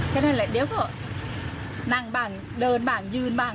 แค่นั้นแหละเดี๋ยวก็นั่งบ้างเดินบ้างยืนบ้าง